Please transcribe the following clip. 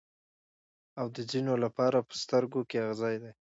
او د ځینو لپاره په سترګو کې اغزی دی.